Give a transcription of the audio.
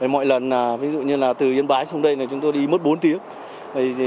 mọi lần ví dụ như là từ yên bái xuống đây chúng tôi đi mất bốn tiếng